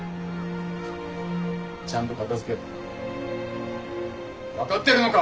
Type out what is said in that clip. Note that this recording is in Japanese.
ちゃんと片づけろ。